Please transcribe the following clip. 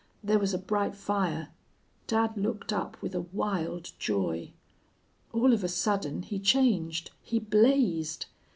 There was a bright fire. Dad looked up with a wild joy. All of a sudden he changed. He blazed.